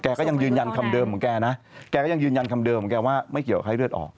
ก็ยังยืนยันคำเดิมของแกนะแกก็ยังยืนยันคำเดิมของแกว่าไม่เกี่ยวกับไข้เลือดออก